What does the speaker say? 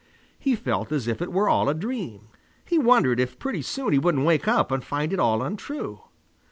He felt as if it were all a dream. He wondered if pretty soon he wouldn't wake up and find it all untrue.